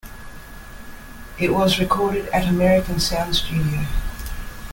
It was recorded at American Sound Studio.